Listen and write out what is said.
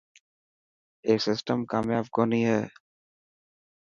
اي سسٽم ڪامپاب ڪوني هي.